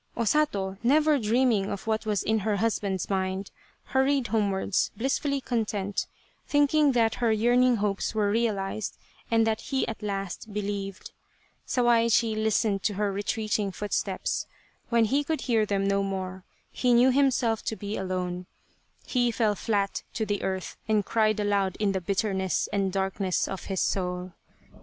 O Sato, never dreaming of what was in her husband's mind, hurried homewards, blissfully content, thinking that her yearning hopes were realized and that he at last believed. Sawaichi listened to her retreating footsteps. When he could hear them no more, he knew himself to be 169 Tsubosaka alone. He fell flat to the earth and cried aloud in the bitterness and darkness of his soul.